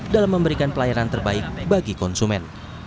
dalam memberikan pelayanan terbaik bagi konsumen